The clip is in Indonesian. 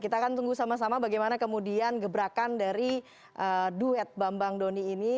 kita akan tunggu sama sama bagaimana kemudian gebrakan dari duet bambang doni ini